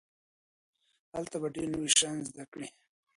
هلته به ډېر نوي شيان زده کړئ.